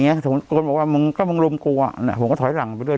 คนบอกว่ามึงก็มึงรุมกลัวน่ะผมก็ถอยหลังไปด้วย